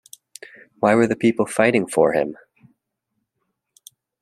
Why were the people fighting for him?